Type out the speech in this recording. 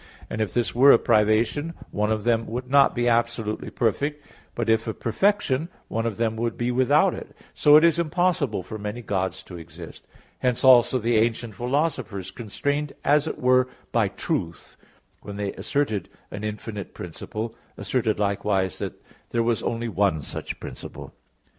And if this were a privation, one of them would not be absolutely perfect; but if a perfection, one of them would be without it. So it is impossible for many gods to exist. Hence also the ancient philosophers, constrained as it were by truth, when they asserted an infinite principle, asserted likewise that there was only one such principle.